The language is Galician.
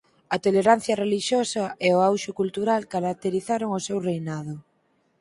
A tolerancia relixiosa e o auxe cultural caracterizaron o seu reinado.